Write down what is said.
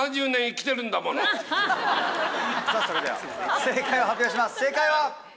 それでは正解を発表します正解は！